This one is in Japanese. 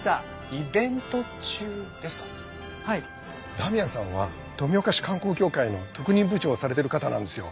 ダミアンさんは富岡市観光協会の特任部長をされてる方なんですよ。